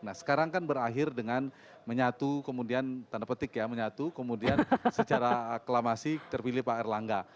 nah sekarang kan berakhir dengan menyatu kemudian tanda petik ya menyatu kemudian secara aklamasi terpilih pak erlangga